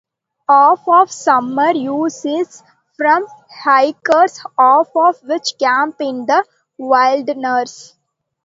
Half of summer use is from hikers, half of which camp in the wilderness.